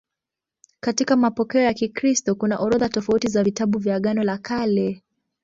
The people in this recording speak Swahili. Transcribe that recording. Katika mapokeo ya Kikristo kuna orodha tofauti za vitabu vya Agano la Kale.